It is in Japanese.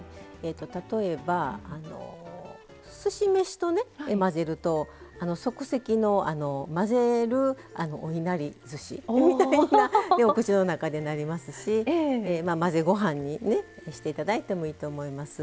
例えばすし飯とね混ぜると即席の混ぜるおいなりずしみたいなお口の中でなりますし混ぜご飯にして頂いてもいいと思います。